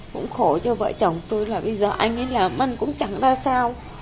cũng khổ cho vợ chồng tôi là bây giờ anh ấy làm ăn cũng chẳng ba sao